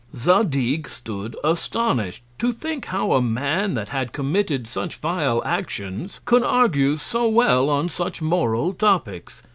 Zadig stood astonish'd, to think how a Man that had committed such vile Actions, could argue so well on such Moral Topicks.